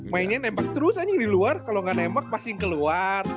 mainnya nembak terus anjing di luar kalo ga nembak pasti keluar